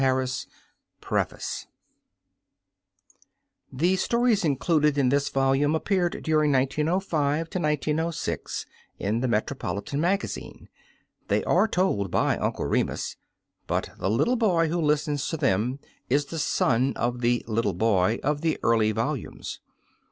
•••••■ PREFACE The stories included in this volume appeared during 1905 06 in the Metropolitan Mag azine. They are told by Uncle Remus, hut the little hoy who listens to them is the son of the " little hoy " of the early volumes.